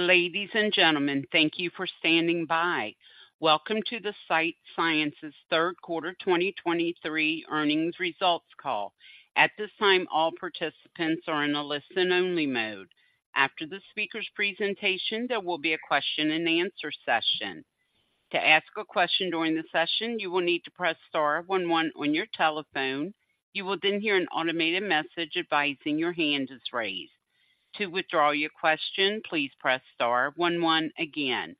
Ladies and gentlemen, thank you for standing by. Welcome to the Sight Sciences Third Quarter 2023 Earnings Results Call. At this time, all participants are in a listen-only mode. After the speaker's presentation, there will be a question-and-answer session. To ask a question during the session, you will need to press star one one on your telephone. You will then hear an automated message advising your hand is raised. To withdraw your question, please press star one one again.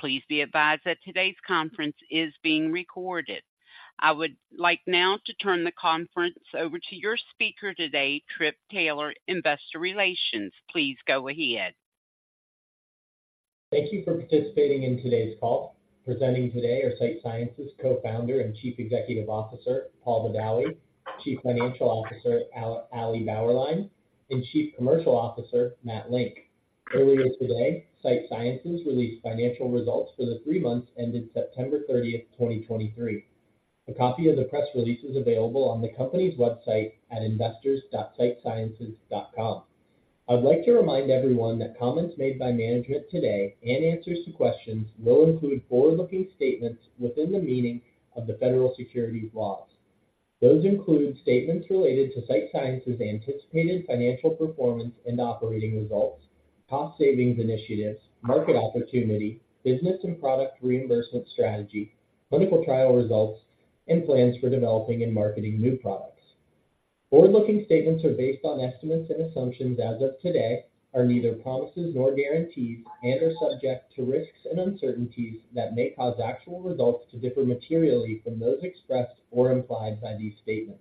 Please be advised that today's conference is being recorded. I would like now to turn the conference over to your speaker today, Trip Taylor, Investor Relations. Please go ahead. Thank you for participating in today's call. Presenting today are Sight Sciences Co-founder and Chief Executive Officer, Paul Badawi, Chief Financial Officer, Ali Bauerlein, and Chief Commercial Officer, Matt Link. Earlier today, Sight Sciences released financial results for the three months ended September 30, 2023. A copy of the press release is available on the company's website at investors.sightsciences.com. I'd like to remind everyone that comments made by management today and answers to questions will include forward-looking statements within the meaning of the federal securities laws. Those include statements related to Sight Sciences' anticipated financial performance and operating results, cost savings initiatives, market opportunity, business and product reimbursement strategy, clinical trial results, and plans for developing and marketing new products. Forward-looking statements are based on estimates and assumptions as of today, are neither promises nor guarantees, and are subject to risks and uncertainties that may cause actual results to differ materially from those expressed or implied by these statements.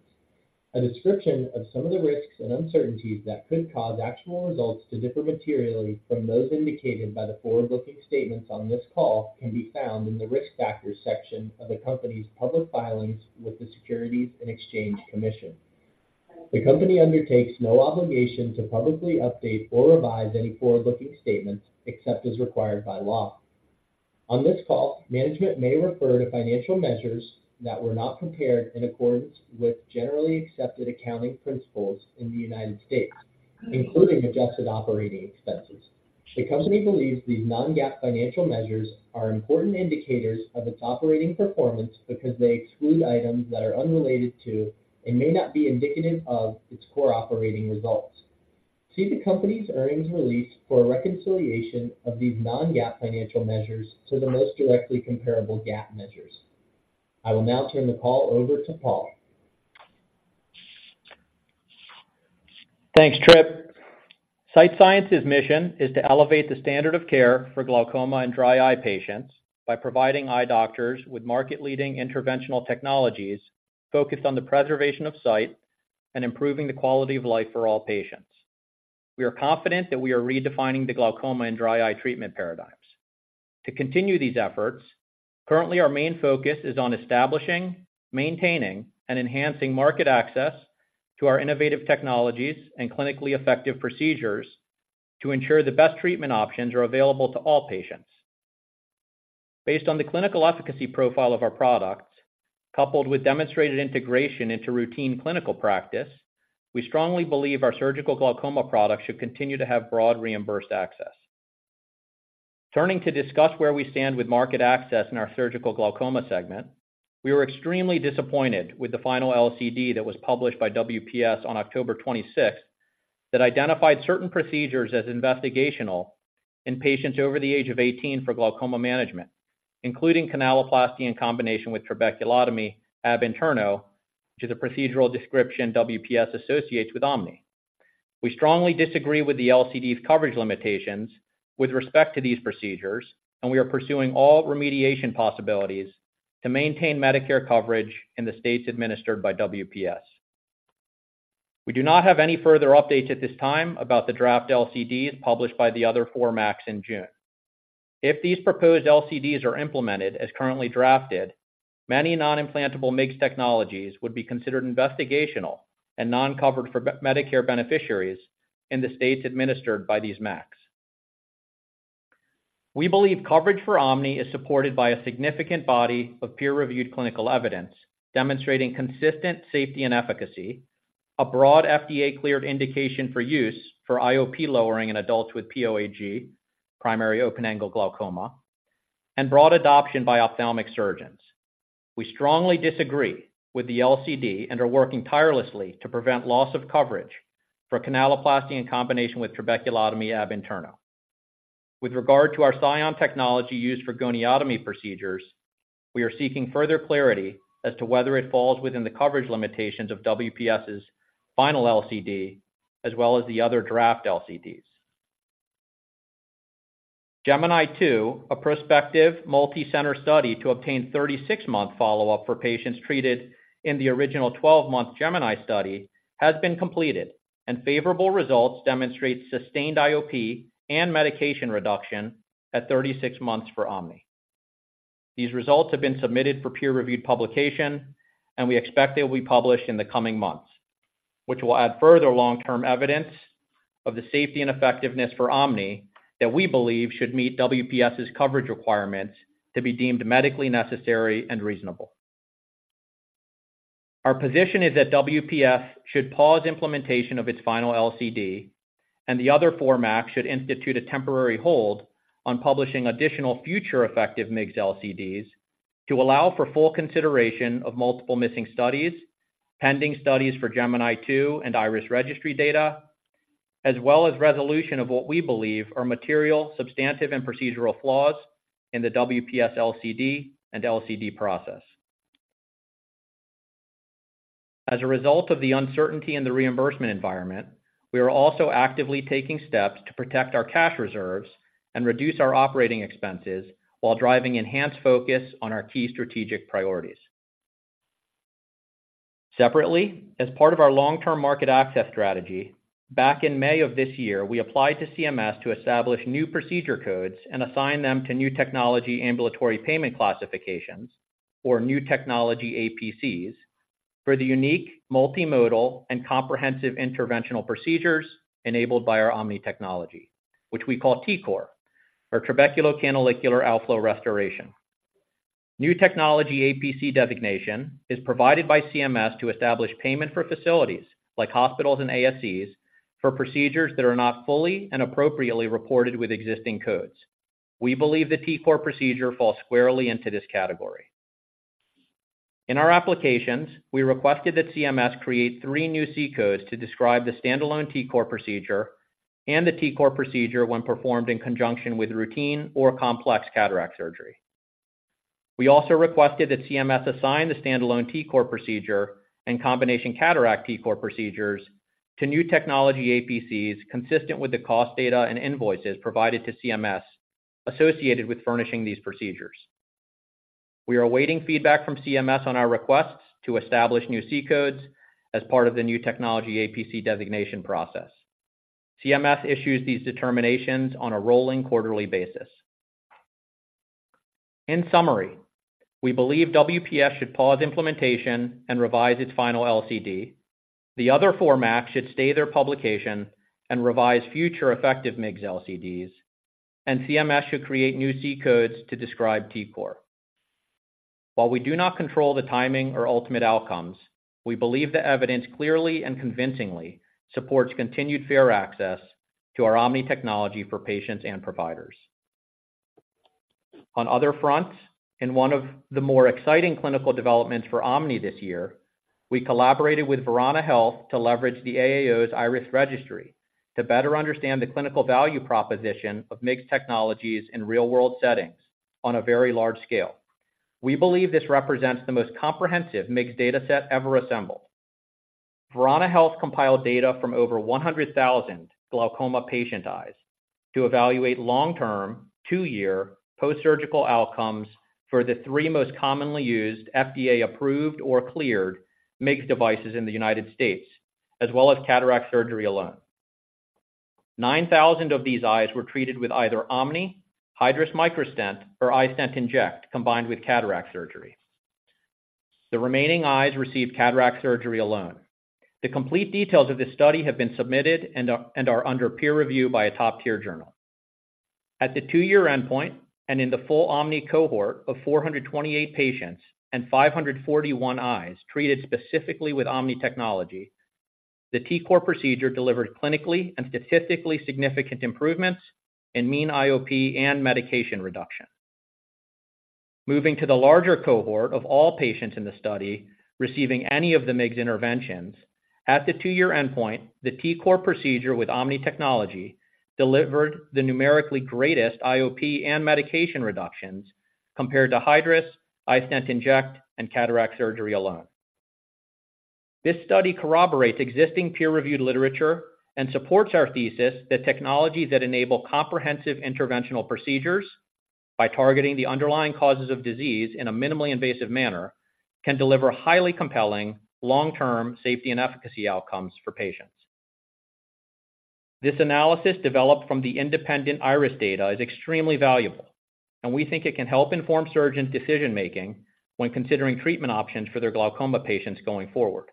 A description of some of the risks and uncertainties that could cause actual results to differ materially from those indicated by the forward-looking statements on this call can be found in the Risk Factors section of the company's public filings with the Securities and Exchange Commission. The company undertakes no obligation to publicly update or revise any forward-looking statements, except as required by law. On this call, management may refer to financial measures that were not prepared in accordance with generally accepted accounting principles in the United States, including adjusted operating expenses. The company believes these non-GAAP financial measures are important indicators of its operating performance because they exclude items that are unrelated to, and may not be indicative of, its core operating results. See the company's earnings release for a reconciliation of these non-GAAP financial measures to the most directly comparable GAAP measures. I will now turn the call over to Paul. Thanks, Trip. Sight Sciences' mission is to elevate the standard of care for glaucoma and dry eye patients by providing eye doctors with market-leading interventional technologies focused on the preservation of sight and improving the quality of life for all patients. We are confident that we are redefining the glaucoma and dry eye treatment paradigms. To continue these efforts, currently our main focus is on establishing, maintaining, and enhancing market access to our innovative technologies and clinically effective procedures to ensure the best treatment options are available to all patients. Based on the clinical efficacy profile of our products, coupled with demonstrated integration into routine clinical practice, we strongly believe our surgical glaucoma products should continue to have broad reimbursed access. Turning to discuss where we stand with market access in our surgical glaucoma segment, we were extremely disappointed with the final LCD that was published by WPS on October 26th, that identified certain procedures as investigational in patients over the age of 18 for glaucoma management, including canaloplasty in combination with trabeculotomy ab interno, which is a procedural description WPS associates with OMNI. We strongly disagree with the LCD's coverage limitations with respect to these procedures, and we are pursuing all remediation possibilities to maintain Medicare coverage in the states administered by WPS. We do not have any further updates at this time about the draft LCDs published by the other four MACs in June. If these proposed LCDs are implemented as currently drafted, many non-implantable MIGS technologies would be considered investigational and non-covered for Medicare beneficiaries in the states administered by these MACs. We believe coverage for OMNI is supported by a significant body of peer-reviewed clinical evidence demonstrating consistent safety and efficacy, a broad FDA-cleared indication for use for IOP lowering in adults with POAG, primary open-angle glaucoma, and broad adoption by ophthalmic surgeons. We strongly disagree with the LCD and are working tirelessly to prevent loss of coverage for canaloplasty in combination with trabeculotomy ab interno. With regard to our SION technology used for goniotomy procedures, we are seeking further clarity as to whether it falls within the coverage limitations of WPS's final LCD, as well as the other draft LCDs. GEMINI 2, a prospective multicenter study to obtain 36-month follow-up for patients treated in the original 12-month GEMINI study, has been completed, and favorable results demonstrate sustained IOP and medication reduction at 36 months for OMNI. These results have been submitted for peer-reviewed publication, and we expect they will be published in the coming months, which will add further long-term evidence of the safety and effectiveness for OMNI, that we believe should meet WPS's coverage requirements to be deemed medically necessary and reasonable. Our position is that WPS should pause implementation of its final LCD, and the other four MACs should institute a temporary hold on publishing additional future effective MIGS LCDs to allow for full consideration of multiple missing studies, pending studies for GEMINI 2 and IRIS Registry data, as well as resolution of what we believe are material, substantive, and procedural flaws in the WPS LCD and LCD process. As a result of the uncertainty in the reimbursement environment, we are also actively taking steps to protect our cash reserves and reduce our operating expenses while driving enhanced focus on our key strategic priorities. Separately, as part of our long-term market access strategy, back in May of this year, we applied to CMS to establish new procedure codes and assign them to new technology ambulatory payment classifications or new technology APCs, for the unique, multimodal, and comprehensive interventional procedures enabled by our OMNI technology, which we call TCOR, or Trabeculocanalicular Outflow Restoration. New technology APC designation is provided by CMS to establish payment for facilities like hospitals and ASCs for procedures that are not fully and appropriately reported with existing codes. We believe the TCOR procedure falls squarely into this category. In our applications, we requested that CMS create three new C-codes to describe the standalone TCOR procedure and the TCOR procedure when performed in conjunction with routine or complex cataract surgery. We also requested that CMS assign the standalone TCOR procedure and combination cataract TCOR procedures to new technology APCs, consistent with the cost data and invoices provided to CMS associated with furnishing these procedures. We are awaiting feedback from CMS on our requests to establish new C codes as part of the new technology APC designation process. CMS issues these determinations on a rolling quarterly basis. In summary, we believe WPS should pause implementation and revise its final LCD. The other four MACs should stay their publication and revise future effective MIGS LCDs, and CMS should create new C-codes to describe TCOR. While we do not control the timing or ultimate outcomes, we believe the evidence clearly and convincingly supports continued fair access to our OMNI technology for patients and providers. On other fronts, in one of the more exciting clinical developments for OMNI this year, we collaborated with Verana Health to leverage the AAO's IRIS Registry to better understand the clinical value proposition of MIGS technologies in real-world settings on a very large scale. We believe this represents the most comprehensive MIGS dataset ever assembled. Verana Health compiled data from over 100,000 glaucoma patient eyes to evaluate long-term, two-year post-surgical outcomes for the three most commonly used FDA-approved or cleared MIGS devices in the United States, as well as cataract surgery alone. 9,000 of these eyes were treated with either OMNI, Hydrus Microstent, or iStent inject combined with cataract surgery. The remaining eyes received cataract surgery alone. The complete details of this study have been submitted and are under peer review by a top-tier journal. At the two-year endpoint and in the full OMNI cohort of 428 patients and 541 eyes treated specifically with OMNI technology, the TCOR procedure delivered clinically and statistically significant improvements in mean IOP and medication reduction. Moving to the larger cohort of all patients in the study receiving any of the MIGS interventions, at the two-year endpoint, the TCOR procedure with OMNI technology delivered the numerically greatest IOP and medication reductions compared to Hydrus, iStent inject, and cataract surgery alone. This study corroborates existing peer-reviewed literature and supports our thesis that technologies that enable comprehensive interventional procedures by targeting the underlying causes of disease in a minimally invasive manner, can deliver highly compelling long-term safety and efficacy outcomes for patients. This analysis, developed from the independent IRIS data, is extremely valuable, and we think it can help inform surgeons' decision-making when considering treatment options for their glaucoma patients going forward.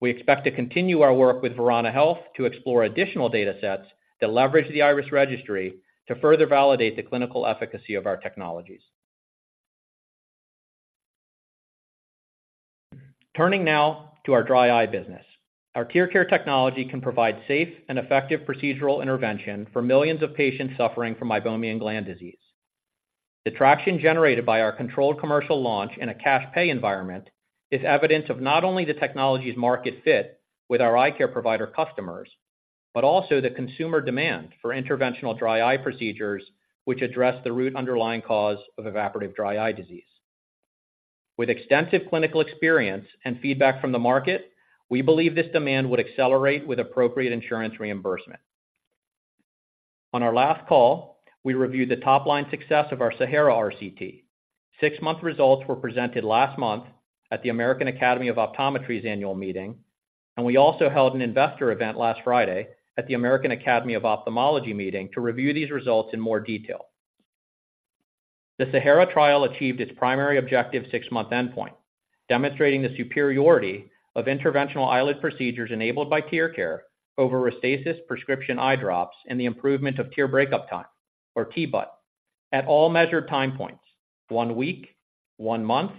We expect to continue our work with Verana Health to explore additional data sets that leverage the IRIS registry to further validate the clinical efficacy of our technologies. Turning now to our dry eye business. Our TearCare technology can provide safe and effective procedural intervention for millions of patients suffering from meibomian gland disease. The traction generated by our controlled commercial launch in a cash pay environment is evidence of not only the technology's market fit with our eye care provider customers, but also the consumer demand for interventional dry eye procedures, which address the root underlying cause of evaporative dry eye disease. With extensive clinical experience and feedback from the market, we believe this demand would accelerate with appropriate insurance reimbursement. On our last call, we reviewed the top-line success of our SAHARA RCT. Six-month results were presented last month at the American Academy of Optometry's annual meeting, and we also held an investor event last Friday at the American Academy of Ophthalmology meeting to review these results in more detail. The SAHARA trial achieved its primary objective six-month endpoint, demonstrating the superiority of interventional eyelid procedures enabled by TearCare over Restasis prescription eye drops and the improvement of tear break-up time, or TBUT. At all measured time points, one week, one month,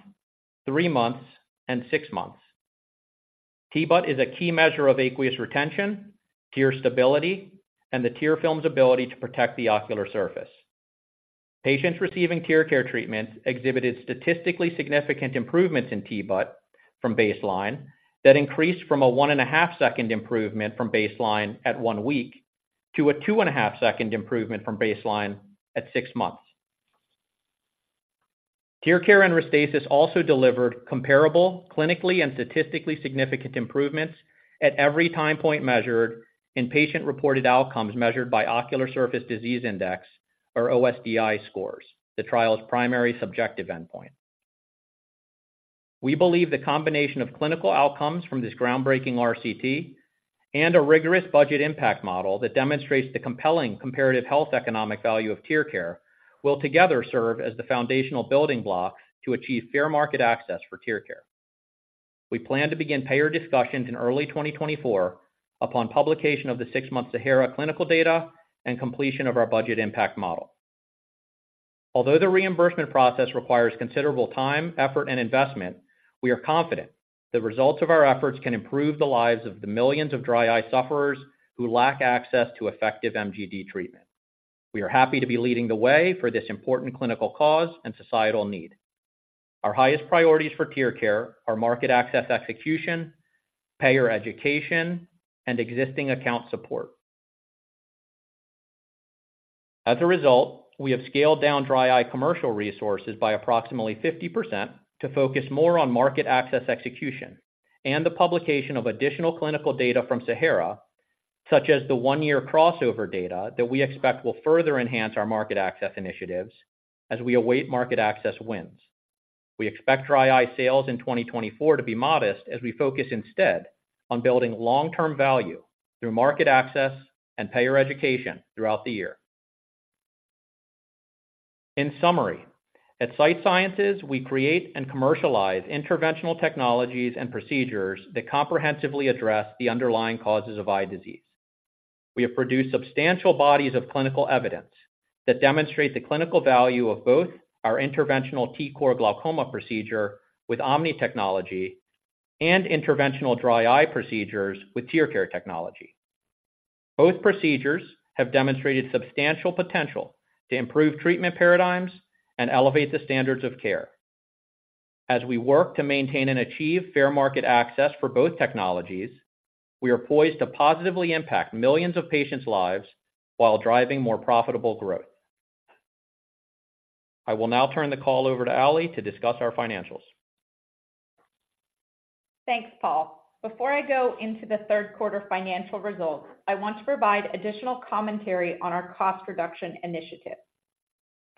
three months, and six months. TBUT is a key measure of aqueous retention, tear stability, and the tear film's ability to protect the ocular surface. Patients receiving TearCare treatments exhibited statistically significant improvements in TBUT from baseline, that increased from a 1.5 second improvement from baseline at one week, to a 2.5 second improvement from baseline at six months. TearCare and Restasis also delivered comparable, clinically and statistically significant improvements at every time point measured in patient-reported outcomes measured by Ocular Surface Disease Index or OSDI scores, the trial's primary subjective endpoint. We believe the combination of clinical outcomes from this groundbreaking RCT and a rigorous budget impact model that demonstrates the compelling comparative health economic value of TearCare, will together serve as the foundational building block to achieve fair market access for TearCare. We plan to begin payer discussions in early 2024 upon publication of the six-month SAHARA clinical data and completion of our budget impact model. Although the reimbursement process requires considerable time, effort, and investment, we are confident the results of our efforts can improve the lives of the millions of dry eye sufferers who lack access to effective MGD treatment. We are happy to be leading the way for this important clinical cause and societal need. Our highest priorities for TearCare are market access execution, payer education, and existing account support. As a result, we have scaled down dry eye commercial resources by approximately 50% to focus more on market access execution and the publication of additional clinical data from SAHARA, such as the one-year crossover data that we expect will further enhance our market access initiatives as we await market access wins. We expect dry eye sales in 2024 to be modest as we focus instead on building long-term value through market access and payer education throughout the year. In summary, at Sight Sciences, we create and commercialize interventional technologies and procedures that comprehensively address the underlying causes of eye disease. We have produced substantial bodies of clinical evidence that demonstrate the clinical value of both our interventional TCOR glaucoma procedure with OMNI technology and interventional dry eye procedures with TearCare technology. Both procedures have demonstrated substantial potential to improve treatment paradigms and elevate the standards of care. As we work to maintain and achieve fair market access for both technologies, we are poised to positively impact millions of patients' lives while driving more profitable growth. I will now turn the call over to Ali to discuss our financials. Thanks, Paul. Before I go into the third quarter financial results, I want to provide additional commentary on our cost reduction initiatives.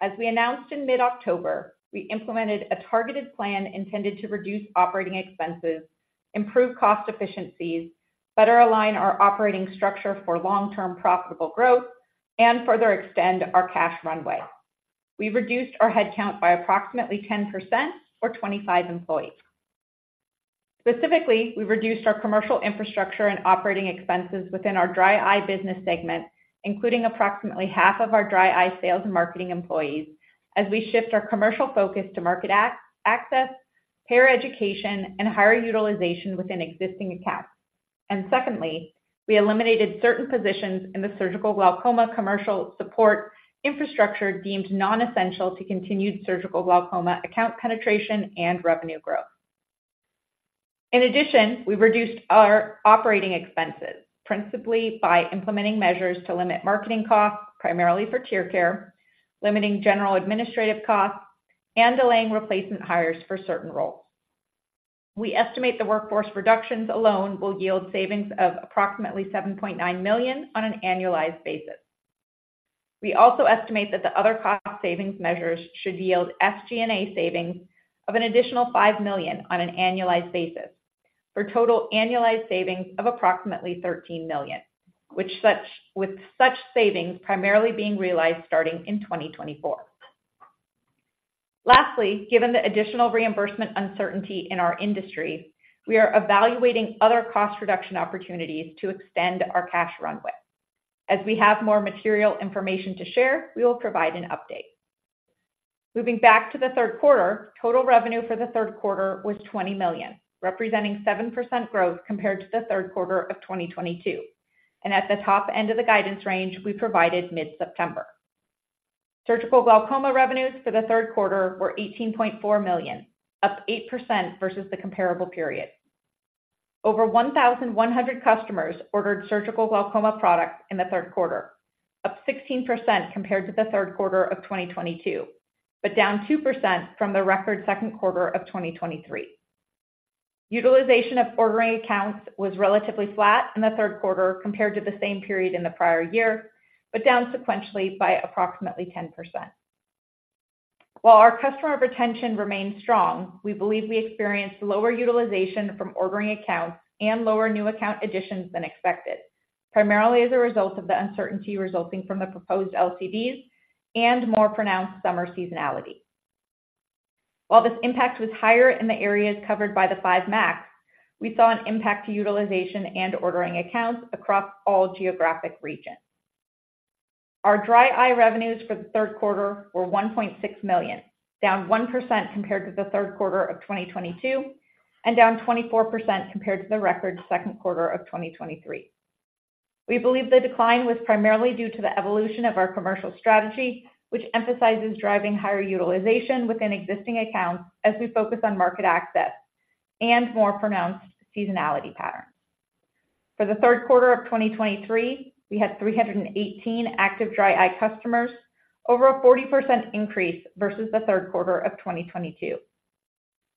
As we announced in mid-October, we implemented a targeted plan intended to reduce operating expenses, improve cost efficiencies, better align our operating structure for long-term profitable growth, and further extend our cash runway. We reduced our headcount by approximately 10%, or 25 employees. Specifically, we reduced our commercial infrastructure and operating expenses within our dry eye business segment, including approximately half of our dry eye sales and marketing employees, as we shift our commercial focus to market access, payer education, and higher utilization within existing accounts. And secondly, we eliminated certain positions in the surgical glaucoma commercial support infrastructure deemed non-essential to continued surgical glaucoma account penetration and revenue growth. In addition, we reduced our operating expenses, principally by implementing measures to limit marketing costs, primarily for TearCare, limiting general administrative costs, and delaying replacement hires for certain roles. We estimate the workforce reductions alone will yield savings of approximately $7.9 million on an annualized basis. We also estimate that the other cost savings measures should yield SG&A savings of an additional $5 million on an annualized basis, for total annualized savings of approximately $13 million, with such savings primarily being realized starting in 2024. Lastly, given the additional reimbursement uncertainty in our industry, we are evaluating other cost reduction opportunities to extend our cash runway. As we have more material information to share, we will provide an update. Moving back to the third quarter, total revenue for the third quarter was $20 million, representing 7% growth compared to the third quarter of 2022, and at the top end of the guidance range we provided mid-September. Surgical glaucoma revenues for the third quarter were $18.4 million, up 8% versus the comparable period. Over 1,100 customers ordered surgical glaucoma products in the third quarter, up 16% compared to the third quarter of 2022, but down 2% from the record second quarter of 2023. Utilization of ordering accounts was relatively flat in the third quarter compared to the same period in the prior year, but down sequentially by approximately 10%. While our customer retention remains strong, we believe we experienced lower utilization from ordering accounts and lower new account additions than expected, primarily as a result of the uncertainty resulting from the proposed LCDs and more pronounced summer seasonality. While this impact was higher in the areas covered by the five MACs, we saw an impact to utilization and ordering accounts across all geographic regions. Our dry eye revenues for the third quarter were $1.6 million, down 1% compared to the third quarter of 2022, and down 24% compared to the record second quarter of 2023. We believe the decline was primarily due to the evolution of our commercial strategy, which emphasizes driving higher utilization within existing accounts as we focus on market access and more pronounced seasonality patterns. For the third quarter of 2023, we had 318 active dry eye customers, over a 40% increase versus the third quarter of 2022.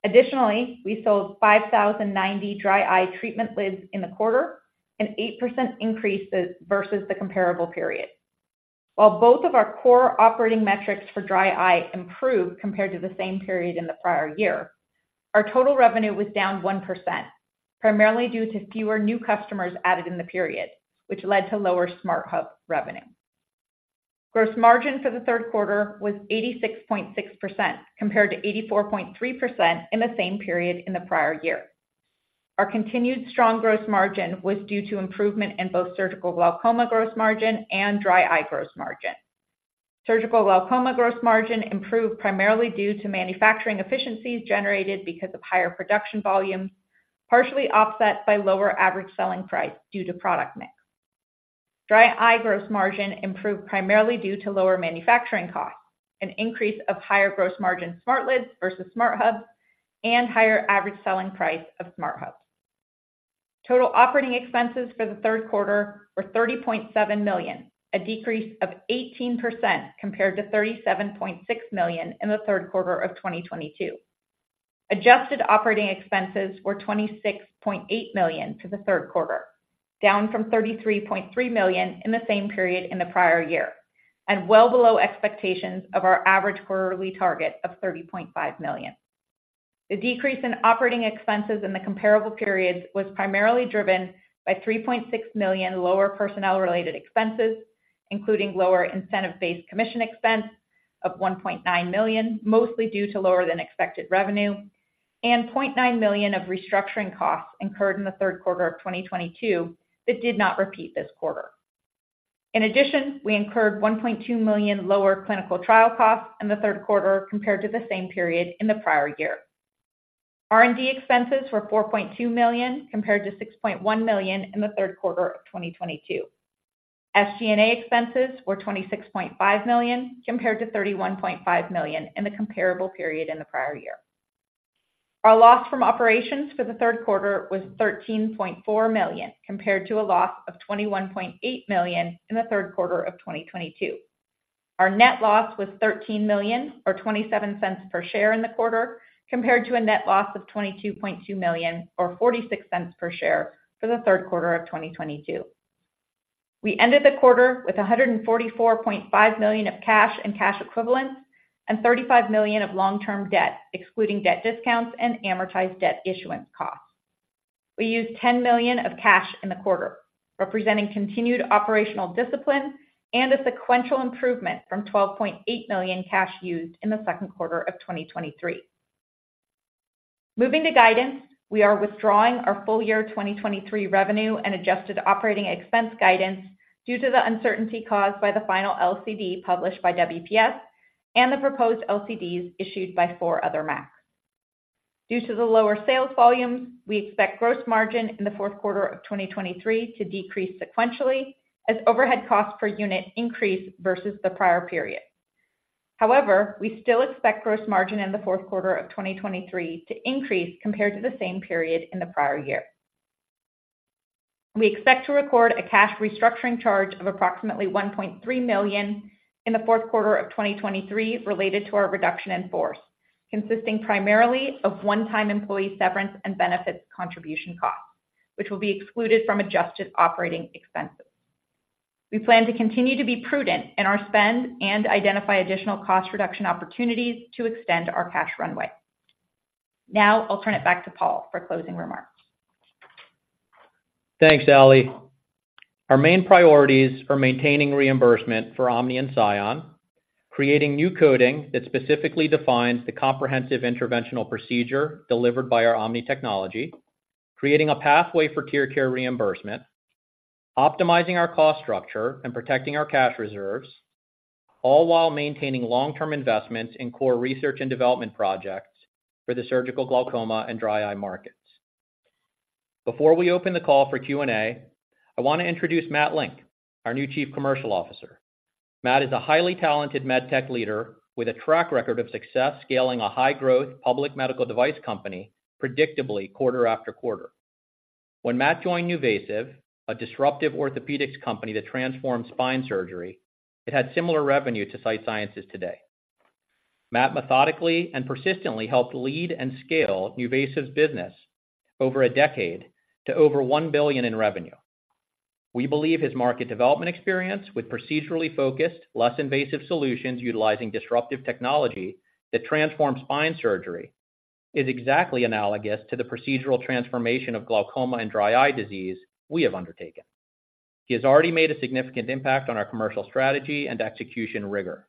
Additionally, we sold 5,090 dry eye treatment lids in the quarter, an 8% increase versus the comparable period. While both of our core operating metrics for dry eye improved compared to the same period in the prior year, our total revenue was down 1%, primarily due to fewer new customers added in the period, which led to lower SmartHub revenue. Gross margin for the third quarter was 86.6%, compared to 84.3% in the same period in the prior year. Our continued strong gross margin was due to improvement in both surgical glaucoma gross margin and dry eye gross margin. Surgical glaucoma gross margin improved primarily due to manufacturing efficiencies generated because of higher production volumes, partially offset by lower average selling price due to product mix. Dry eye gross margin improved primarily due to lower manufacturing costs, an increase of higher gross margin SmartLids versus SmartHubs, and higher average selling price of SmartHubs. Total operating expenses for the third quarter were $30.7 million, a decrease of 18% compared to $37.6 million in the third quarter of 2022. Adjusted operating expenses were $26.8 million for the third quarter, down from $33.3 million in the same period in the prior year, and well below expectations of our average quarterly target of $30.5 million. The decrease in operating expenses in the comparable periods was primarily driven by $3.6 million lower personnel-related expenses, including lower incentive-based commission expense of $1.9 million, mostly due to lower than expected revenue, and $0.9 million of restructuring costs incurred in the third quarter of 2022 that did not repeat this quarter. In addition, we incurred $1.2 million lower clinical trial costs in the third quarter compared to the same period in the prior year. R&D expenses were $4.2 million, compared to $6.1 million in the third quarter of 2022. SG&A expenses were $26.5 million, compared to $31.5 million in the comparable period in the prior year. Our loss from operations for the third quarter was $13.4 million, compared to a loss of $21.8 million in the third quarter of 2022. Our net loss was $13 million, or $0.27 per share in the quarter, compared to a net loss of $22.2 million, or $0.46 per share for the third quarter of 2022. We ended the quarter with $144.5 million of cash and cash equivalents, and $35 million of long-term debt, excluding debt discounts and amortized debt issuance costs. We used $10 million of cash in the quarter, representing continued operational discipline and a sequential improvement from $12.8 million cash used in the second quarter of 2023. Moving to guidance, we are withdrawing our full year 2023 revenue and adjusted operating expense guidance due to the uncertainty caused by the final LCD published by WPS and the proposed LCDs issued by four other MACs. Due to the lower sales volumes, we expect gross margin in the fourth quarter of 2023 to decrease sequentially as overhead costs per unit increase versus the prior period. However, we still expect gross margin in the fourth quarter of 2023 to increase compared to the same period in the prior year. We expect to record a cash restructuring charge of approximately $1.3 million in the fourth quarter of 2023 related to our reduction in force, consisting primarily of one-time employee severance and benefits contribution costs, which will be excluded from adjusted operating expenses. We plan to continue to be prudent in our spend and identify additional cost reduction opportunities to extend our cash runway. Now I'll turn it back to Paul for closing remarks. Thanks, Ali. Our main priorities for maintaining reimbursement for OMNI and SION, creating new coding that specifically defines the comprehensive interventional procedure delivered by our OMNI technology, creating a pathway for TearCare reimbursement, optimizing our cost structure, and protecting our cash reserves, all while maintaining long-term investments in core research and development projects for the surgical glaucoma and dry eye markets. Before we open the call for Q&A, I want to introduce Matt Link, our new Chief Commercial Officer. Matt is a highly talented med tech leader with a track record of success, scaling a high-growth public medical device company predictably quarter after quarter. When Matt joined NuVasive, a disruptive orthopedics company that transformed spine surgery, it had similar revenue to Sight Sciences today. Matt methodically and persistently helped lead and scale NuVasive's business over a decade to over $1 billion in revenue. We believe his market development experience with procedurally focused, less invasive solutions utilizing disruptive technology that transforms spine surgery, is exactly analogous to the procedural transformation of glaucoma and dry eye disease we have undertaken. He has already made a significant impact on our commercial strategy and execution rigor.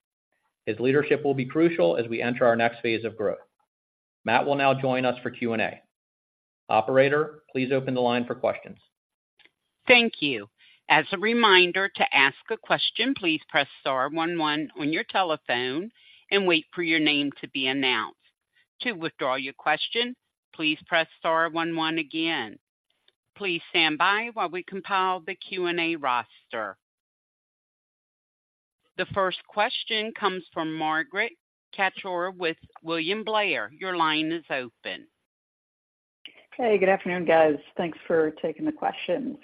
His leadership will be crucial as we enter our next phase of growth. Matt will now join us for Q&A. Operator, please open the line for questions. Thank you. As a reminder, to ask a question, please press star one one on your telephone and wait for your name to be announced. To withdraw your question, please press star one one again. Please stand by while we compile the Q&A roster. The first question comes from Margaret Kaczor with William Blair. Your line is open. Hey, good afternoon, guys. Thanks for taking the questions.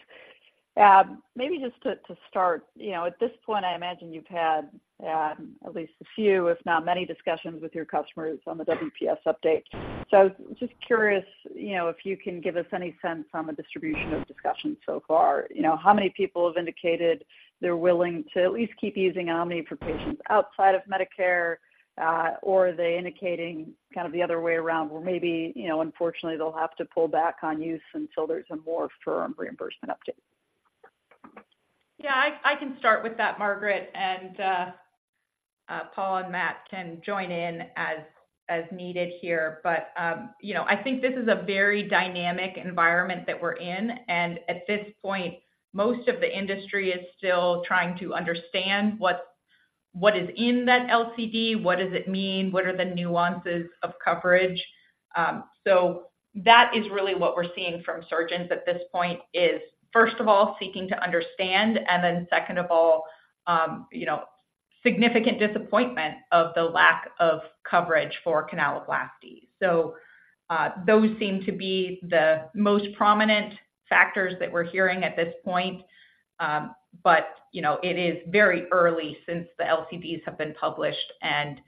Maybe just to start, you know, at this point, I imagine you've had at least a few, if not many, discussions with your customers on the WPS update. So just curious, you know, if you can give us any sense on the distribution of discussions so far. You know, how many people have indicated they're willing to at least keep using OMNI for patients outside of Medicare, or are they indicating kind of the other way around, where maybe, you know, unfortunately, they'll have to pull back on use until there's a more firm reimbursement update? Yeah, I can start with that, Margaret, and Paul and Matt can join in as needed here. But, you know, I think this is a very dynamic environment that we're in, and at this point, most of the industry is still trying to understand what is in that LCD, what does it mean? What are the nuances of coverage? So that is really what we're seeing from surgeons at this point, is first of all, seeking to understand, and then second of all, you know, significant disappointment of the lack of coverage for canaloplasty. So, those seem to be the most prominent factors that we're hearing at this point. But, you know, it is very early since the LCDs have been published, and,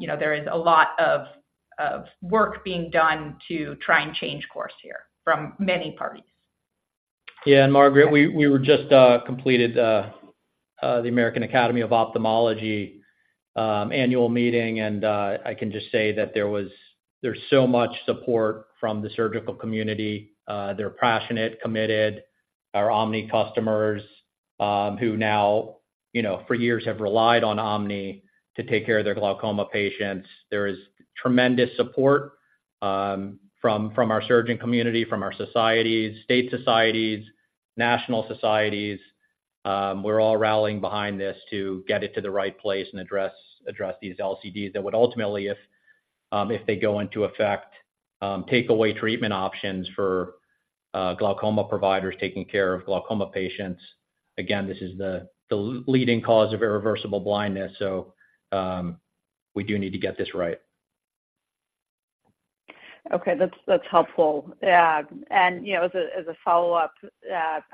you know, there is a lot of work being done to try and change course here from many parties. Yeah, and Margaret, we just completed the American Academy of Ophthalmology annual meeting, and I can just say that there was, there's so much support from the surgical community. They're passionate, committed. Our OMNI customers, who now, you know, for years have relied on OMNI to take care of their glaucoma patients. There is tremendous support from our surgeon community, from our societies, state societies, national societies. We're all rallying behind this to get it to the right place and address these LCDs that would ultimately, if they go into effect, take away treatment options for glaucoma providers taking care of glaucoma patients. Again, this is the leading cause of irreversible blindness, so we do need to get this right. Okay, that's helpful. And, you know, as a follow-up,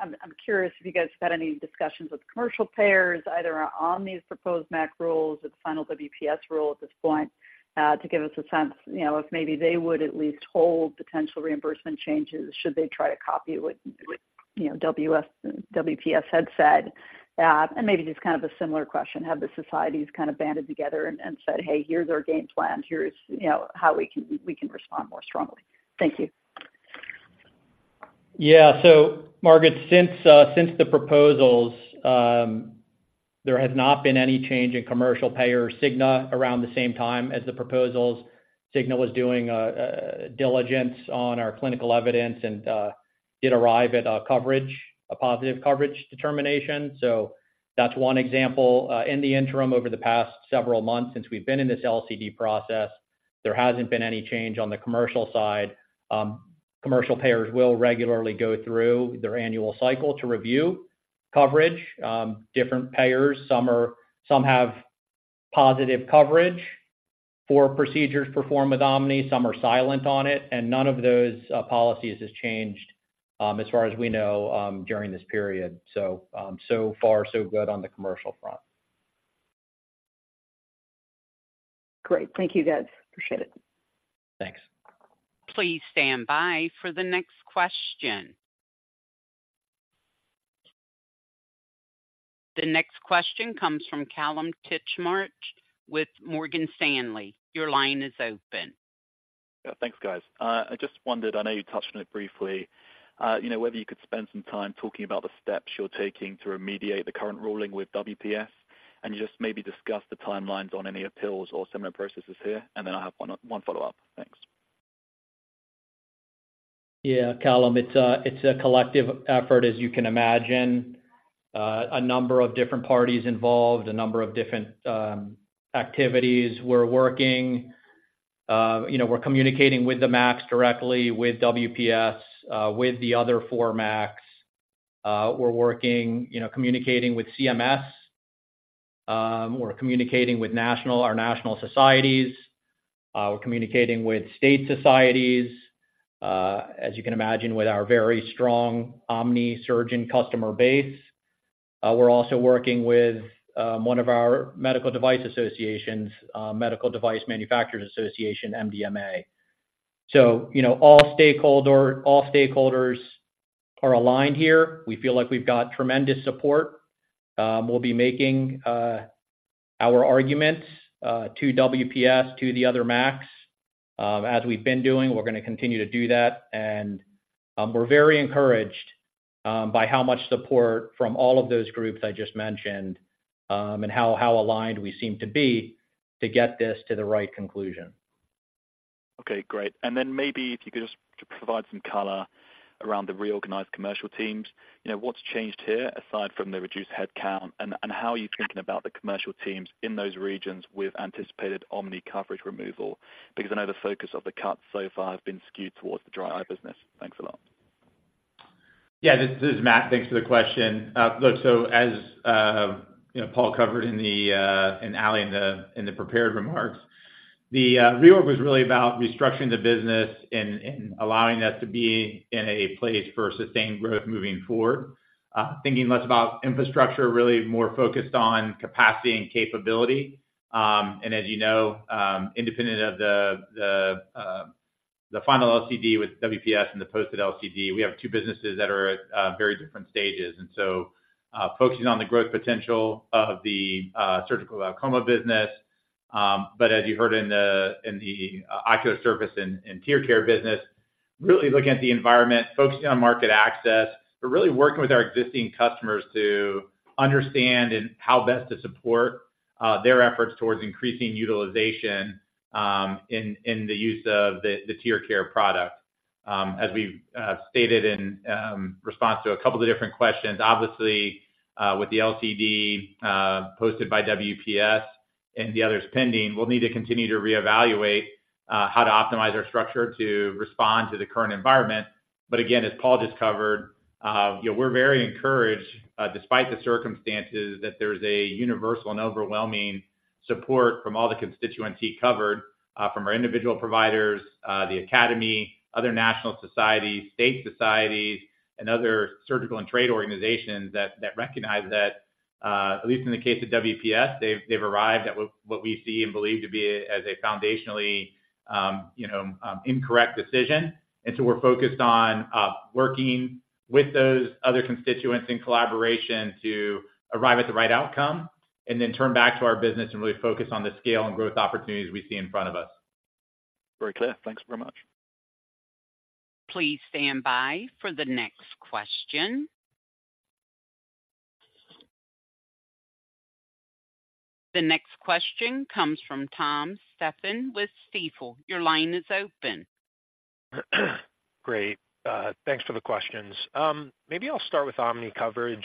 I'm curious if you guys have had any discussions with commercial payers, either on these proposed MAC rules or the final WPS rule at this point, to give us a sense, you know, if maybe they would at least hold potential reimbursement changes, should they try to copy what, you know, WPS had said. And maybe just kind of a similar question: Have the societies kind of banded together and said, "Hey, here's our game plan. Here's, you know, how we can respond more strongly"? Thank you. Yeah. So Margaret, since, since the proposals, there has not been any change in commercial payer Cigna around the same time as the proposals. Cigna was doing diligence on our clinical evidence and did arrive at a coverage, a positive coverage determination. So that's one example. In the interim, over the past several months since we've been in this LCD process, there hasn't been any change on the commercial side. Commercial payers will regularly go through their annual cycle to review coverage, different payers. Some have positive coverage for procedures performed with OMNI, some are silent on it, and none of those policies has changed, as far as we know, during this period. So, so far, so good on the commercial front. Great. Thank you, guys. Appreciate it. Thanks. Please stand by for the next question. The next question comes from Kallum Titchmarsh with Morgan Stanley. Your line is open. Yeah, thanks, guys. I just wondered, I know you touched on it briefly, you know, whether you could spend some time talking about the steps you're taking to remediate the current ruling with WPS, and just maybe discuss the timelines on any appeals or similar processes here, and then I have one, one follow-up. Thanks. Yeah, Kallum. It's a collective effort, as you can imagine. A number of different parties involved, a number of different activities. We're working, you know, we're communicating with the MACs directly, with WPS, with the other four MACs. We're working, you know, communicating with CMS, we're communicating with our national societies, we're communicating with state societies, as you can imagine, with our very strong OMNI surgeon customer base. We're also working with one of our medical device associations, Medical Device Manufacturers Association, MDMA. So, you know, all stakeholders are aligned here. We feel like we've got tremendous support. We'll be making our arguments to WPS, to the other MACs. As we've been doing, we're going to continue to do that, and we're very encouraged by how much support from all of those groups I just mentioned, and how aligned we seem to be to get this to the right conclusion. Okay, great. And then maybe if you could just provide some color around the reorganized commercial teams. You know, what's changed here, aside from the reduced headcount, and, and how are you thinking about the commercial teams in those regions with anticipated OMNI coverage removal? Because I know the focus of the cuts so far have been skewed towards the dry eye business. Thanks a lot. Yeah, this is Matt. Thanks for the question. Look, so as you know, Paul covered in the prepared remarks, and Ali in the prepared remarks, the reorg was really about restructuring the business and allowing us to be in a place for sustained growth moving forward. Thinking less about infrastructure, really more focused on capacity and capability. And as you know, independent of the final LCD with WPS and the posted LCD, we have two businesses that are at very different stages, and so focusing on the growth potential of the surgical glaucoma business. But as you heard in the ocular service and tear care business, really looking at the environment, focusing on market access, but really working with our existing customers to understand and how best to support their efforts towards increasing utilization in the use of the tear care product. As we've stated in response to a couple of different questions, obviously, with the LCD posted by WPS and the others pending, we'll need to continue to reevaluate how to optimize our structure to respond to the current environment. But again, as Paul just covered, you know, we're very encouraged, despite the circumstances, that there's a universal and overwhelming support from all the constituency covered, from our individual providers, the academy, other national societies, state societies, and other surgical and trade organizations that, that recognize that, at least in the case of WPS, they've, they've arrived at what, what we see and believe to be as a foundationally, you know, incorrect decision. And so we're focused on, working with those other constituents in collaboration to arrive at the right outcome and then turn back to our business and really focus on the scale and growth opportunities we see in front of us. Very clear. Thanks very much. Please stand by for the next question. The next question comes from Tom Stephan with Stifel. Your line is open. Great, thanks for the questions. Maybe I'll start with OMNI coverage.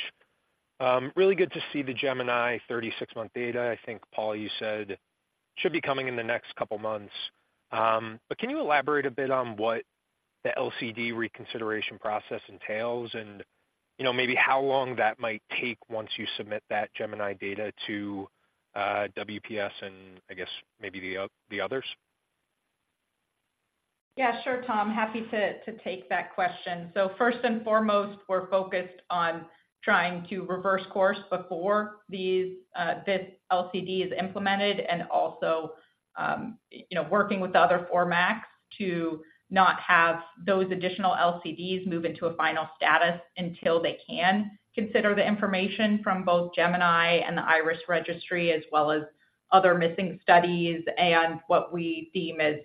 Really good to see the GEMINI 36-month data. I think, Paul, you said should be coming in the next couple of months. But can you elaborate a bit on what the LCD reconsideration process entails? And, you know, maybe how long that might take once you submit that GEMINI data to, WPS and I guess maybe the others? Yeah, sure, Tom. Happy to take that question. So first and foremost, we're focused on trying to reverse course before these, this LCD is implemented, and also, you know, working with the other four MACs to not have those additional LCDs move into a final status until they can consider the information from both GEMINI and the IRIS Registry, as well as other missing studies and what we deem as,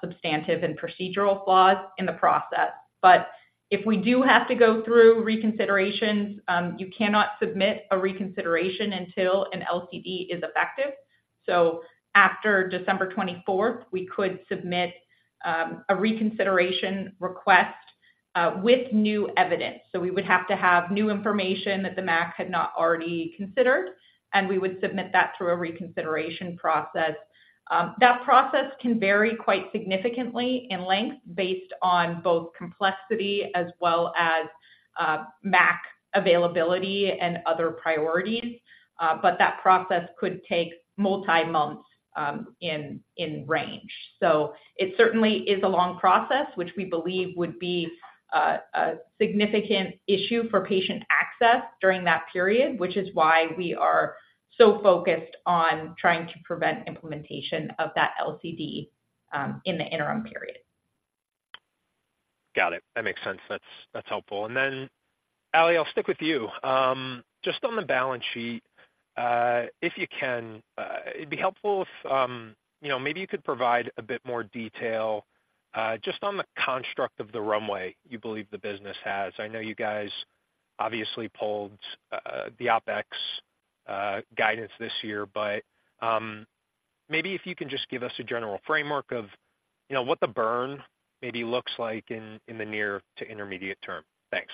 substantive and procedural flaws in the process. But if we do have to go through reconsiderations, you cannot submit a reconsideration until an LCD is effective. So after December twenty-fourth, we could submit a reconsideration request with new evidence. So we would have to have new information that the MAC had not already considered, and we would submit that through a reconsideration process. That process can vary quite significantly in length based on both complexity as well as MAC availability and other priorities, but that process could take multi-months in range. So it certainly is a long process, which we believe would be a significant issue for patient access during that period, which is why we are so focused on trying to prevent implementation of that LCD in the interim period. Got it. That makes sense. That's, that's helpful. And then, Ali, I'll stick with you. Just on the balance sheet, if you can, it'd be helpful if, you know, maybe you could provide a bit more detail, just on the construct of the runway you believe the business has. I know you guys obviously pulled the OpEx guidance this year, but maybe if you can just give us a general framework of, you know, what the burn maybe looks like in the near to intermediate term. Thanks.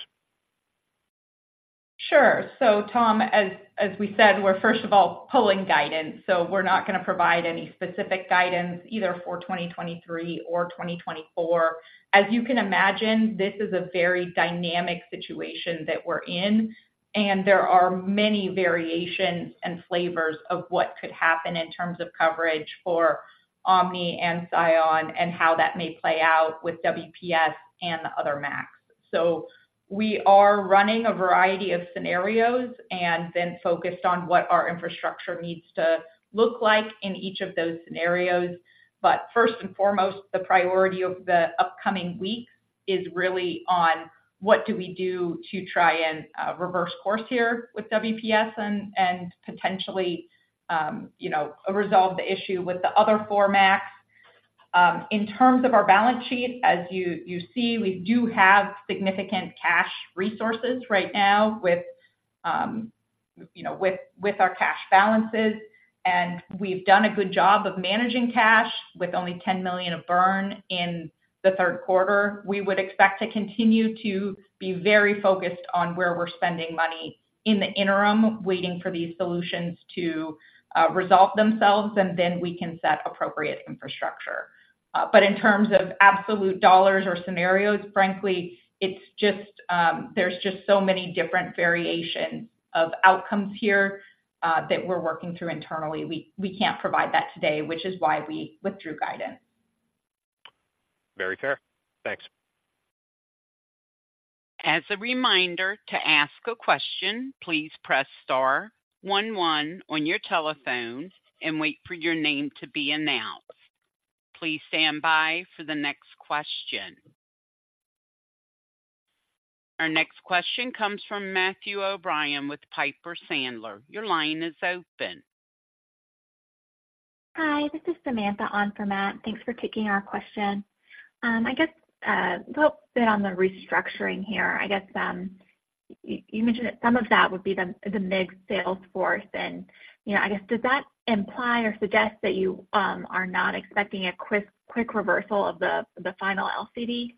Sure. So, Tom, as we said, we're first of all pulling guidance, so we're not going to provide any specific guidance either for 2023 or 2024. As you can imagine, this is a very dynamic situation that we're in, and there are many variations and flavors of what could happen in terms of coverage for OMNI and SION and how that may play out with WPS and the other MACs. So we are running a variety of scenarios and then focused on what our infrastructure needs to look like in each of those scenarios. But first and foremost, the priority of the upcoming week is really on what do we do to try and reverse course here with WPS and and potentially you know resolve the issue with the other four MACs. In terms of our balance sheet, as you see, we do have significant cash resources right now with, you know, our cash balances. We've done a good job of managing cash with only $10 million of burn in the third quarter. We would expect to continue to be very focused on where we're spending money in the interim, waiting for these solutions to resolve themselves, and then we can set appropriate infrastructure. But in terms of absolute dollars or scenarios, frankly, it's just, there's just so many different variations of outcomes here that we're working through internally. We can't provide that today, which is why we withdrew guidance. Very fair. Thanks. As a reminder, to ask a question, please press star one one on your telephone and wait for your name to be announced. Please stand by for the next question. Our next question comes from Matthew O'Brien with Piper Sandler. Your line is open. Hi, this is Samantha on for Matt. Thanks for taking our question. I guess a little bit on the restructuring here. I guess you mentioned that some of that would be the MIG sales force. And, you know, I guess, does that imply or suggest that you are not expecting a quick reversal of the final LCD?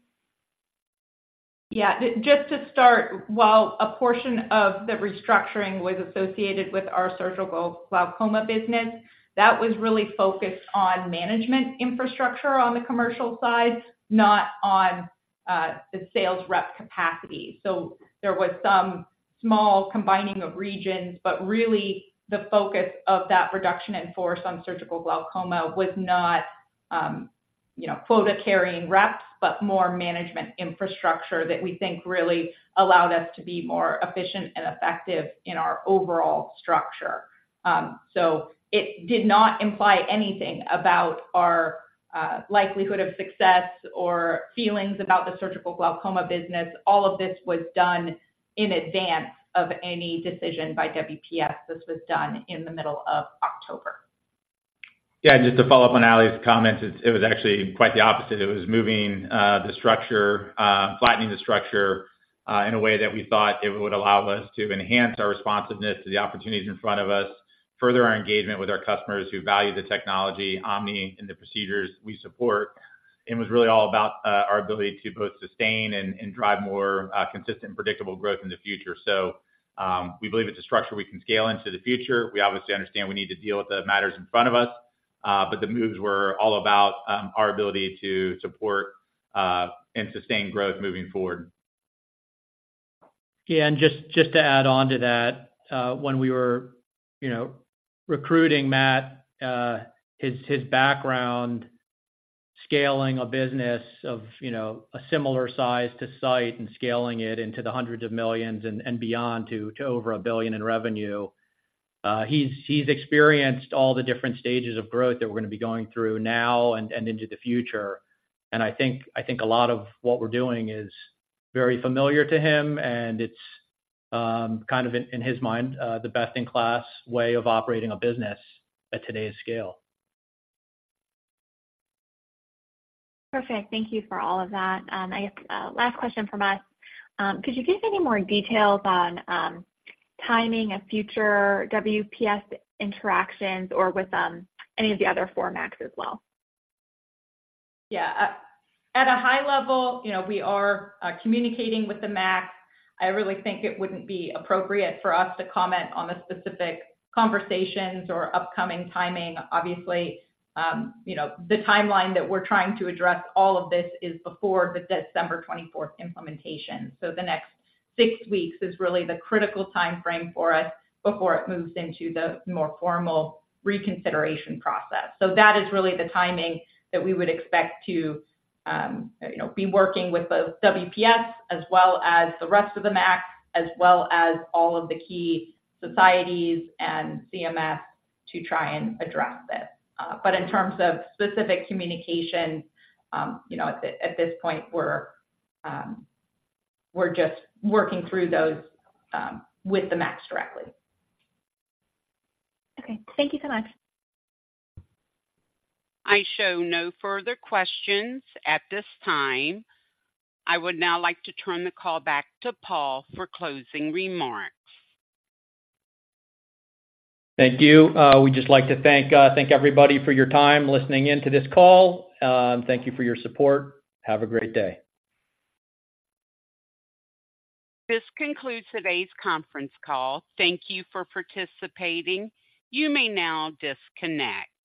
Yeah. Just to start, while a portion of the restructuring was associated with our surgical glaucoma business, that was really focused on management infrastructure on the commercial side, not on, the sales rep capacity. So there was some small combining of regions, but really the focus of that reduction in force on surgical glaucoma was not, you know, quota-carrying reps, but more management infrastructure that we think really allowed us to be more efficient and effective in our overall structure. So it did not imply anything about our, likelihood of success or feelings about the surgical glaucoma business. All of this was done in advance of any decision by WPS. This was done in the middle of October. Yeah, just to follow up on Ali's comments, it was actually quite the opposite. It was moving the structure, flattening the structure, in a way that we thought it would allow us to enhance our responsiveness to the opportunities in front of us, further our engagement with our customers who value the technology, OMNI, and the procedures we support. It was really all about our ability to both sustain and drive more consistent, predictable growth in the future. So, we believe it's a structure we can scale into the future. We obviously understand we need to deal with the matters in front of us, but the moves were all about our ability to support and sustain growth moving forward. Yeah, and just, just to add on to that, when we were, you know, recruiting Matt, his, his background, scaling a business of, you know, a similar size to Sight and scaling it into the hundreds of millions and, and beyond to, to over a billion in revenue, he's, he's experienced all the different stages of growth that we're going to be going through now and, and into the future. And I think, I think a lot of what we're doing is very familiar to him, and it's, kind of in, in his mind, the best-in-class way of operating a business at today's scale. Perfect. Thank you for all of that. I guess, last question from us. Could you give any more details on timing of future WPS interactions or with any of the other four MACs as well? Yeah. At a high level, you know, we are communicating with the MAC. I really think it wouldn't be appropriate for us to comment on the specific conversations or upcoming timing. Obviously, you know, the timeline that we're trying to address all of this is before the December 24th implementation. So the next six weeks is really the critical time frame for us before it moves into the more formal reconsideration process. So that is really the timing that we would expect to, you know, be working with both WPS as well as the rest of the MAC, as well as all of the key societies and CMS to try and address this. But in terms of specific communication, you know, at this point, we're just working through those with the MACs directly. Okay. Thank you so much. I show no further questions at this time. I would now like to turn the call back to Paul for closing remarks. Thank you. We'd just like to thank everybody for your time listening in to this call. Thank you for your support. Have a great day. This concludes today's conference call. Thank you for participating. You may now disconnect.